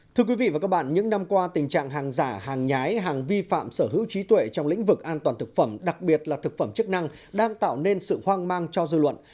thưa quý vị và các bạn những năm qua tình trạng hàng giả hàng nhái hàng vi phạm sở hữu trí tuệ trong lĩnh vực an toàn thực phẩm đặc biệt là thực phẩm chức năng đang tạo nên sự hoang mang cho dư luận